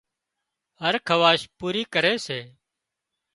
هر خواهش پوري ڪري سي